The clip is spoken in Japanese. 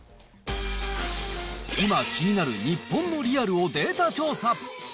今、気になる日本のリアルをデータ調査。